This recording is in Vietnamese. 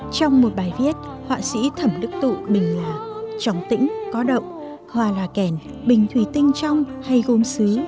trong một bài viết họa sĩ thẩm đức tụ bình là trống tĩnh có động hoa là kèn bình thủy tinh trong hay gôm xứ